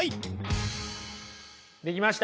できました？